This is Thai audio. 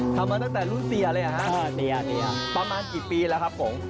ทำมาตั้งแต่รุ่นเซียเลยเหรอฮะประมาณกี่ปีแล้วครับผม